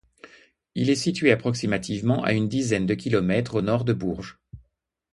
Il est situé approximativement à une dizaine de kilomètres au nord de Bourges.